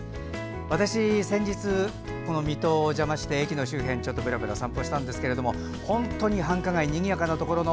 私、先日、水戸にお邪魔して駅の周辺をぶらぶら散歩したんですけども本当に繁華街にぎやかなところの